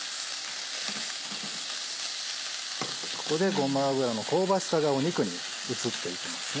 ここでごま油の香ばしさが肉に移っていきますね。